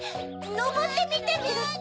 「のぼってみてみる」って？